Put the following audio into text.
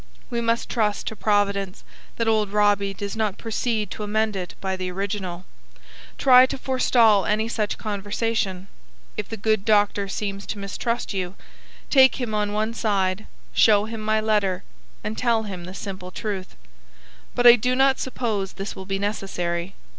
We must trust to Providence that old Robbie does not proceed to amend it by the original. Try to forestall any such conversation. If the good doctor seems to mistrust you, take him on one side, show him my letter, and tell him the simple truth. But I do not suppose this will be necessary.